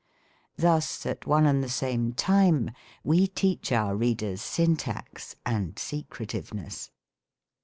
Thus, at one and the same time, we teach our read ers Syntax and secretiveness.